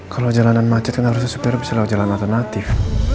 kalau jalanan macet kan harusnya supir bisa lewat jalan alternatif